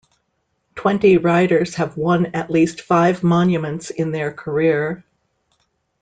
Twenty riders have won at least five Monuments in their career.